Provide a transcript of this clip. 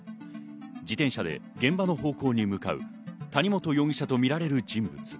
自転車で現場の方向に向かう谷本容疑者とみられる人物。